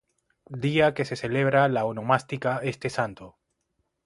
Día que se celebra la onomástica este santo.